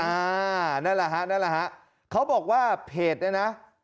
อ่านั่นล่ะฮะนั่นล่ะฮะเขาบอกว่าเพจเนี่ยนะ